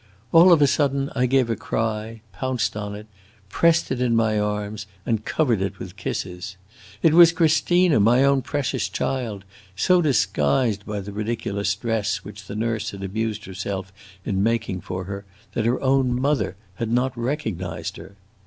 All of a sudden I gave a cry, pounced on it, pressed it in my arms, and covered it with kisses. It was Christina, my own precious child, so disguised by the ridiculous dress which the nurse had amused herself in making for her, that her own mother had not recognized her.